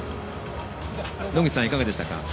野口さん、いかがでしたか？